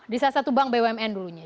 di salah satu bank bumn dulunya